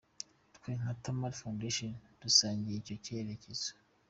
Twe nka Tamari Foundation dusangiye icyo cyerekezo.